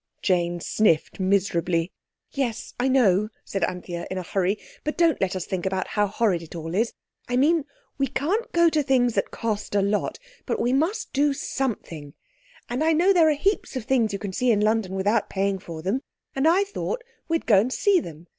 Jane sniffed miserably. "Yes, I know," said Anthea in a hurry, "but don't let's think about how horrid it all is. I mean we can't go to things that cost a lot, but we must do something. And I know there are heaps of things you can see in London without paying for them, and I thought we'd go and see them.